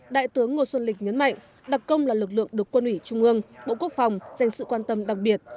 đại tướng ngô xuân lịch nhấn mạnh đặc công là lực lượng được quân ủy trung ương bộ quốc phòng dành sự quan tâm đặc biệt